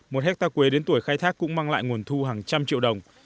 một hectare quế đến tuổi khai thác cũng mang lại nguồn thu hàng trăm triệu đồng